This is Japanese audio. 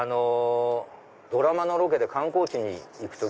ドラマのロケで観光地に行く時。